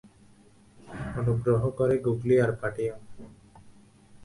অনুগ্রহ করে ওগুলি আর পাঠিও না।